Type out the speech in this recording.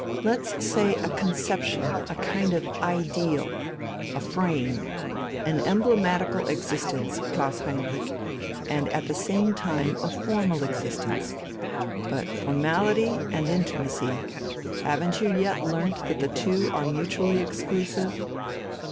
Let's say a conception, a kind of ideal. A frame. An emblematical existence, Klaus Heinrich, and at the same time a formal existence. But formality and intimacy haven't you yet learnt that the two are mutually exclusive?